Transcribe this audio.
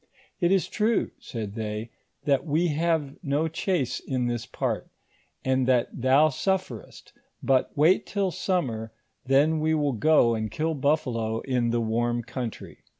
" It is true," said they, " that we have no chase in this part, and that thou suiforest, but wait till summer, then we will go and kill buffalo in the warm country."